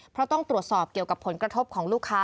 เพราะต้องตรวจสอบเกี่ยวกับผลกระทบของลูกค้า